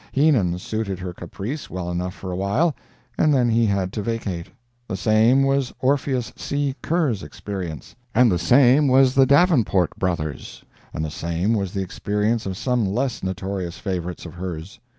Heenan suited her caprice well enough for a while, and then he had to vacate; the same was Orpheus C. Kerr's experience; and the same was the Davenport Brother's; and the same was the experience of some less notorious favorites of hers.